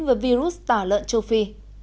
với virus tả lợn châu phi